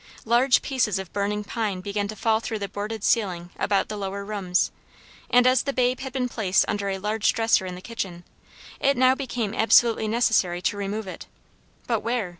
Large pieces of burning pine began to fall through the boarded ceiling about the lower rooms, and as the babe had been placed under a large dresser in the kitchen, it now became absolutely necessary to remove it. But where?